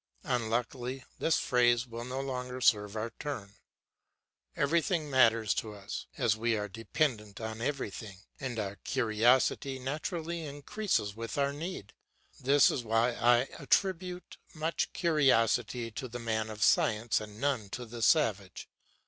Unluckily this phrase will no longer serve our turn. Everything matters to us, as we are dependent on everything, and our curiosity naturally increases with our needs. This is why I attribute much curiosity to the man of science and none to the savage.